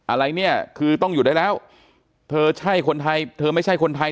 อะไรเนี่ยคือต้องอยู่ได้แล้วเธอใช่คนไทยเธอไม่ใช่คนไทย